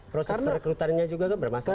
proses rekrutannya juga kan bermasalah